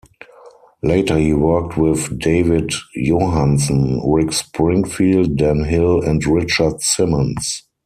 Later, he worked with David Johansen, Rick Springfield, Dan Hill, and Richard Simmons.